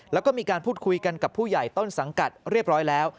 แล้วก็มีการพูดคุยกันกับผู้ใหญ่ต้นสังกัดเรียบร้อยแล้ว